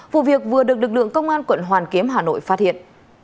vụ việc vừa được lực lượng công an quận hoàn kiếm hà nội phát hiện